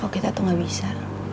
oh kita tuh gak bisa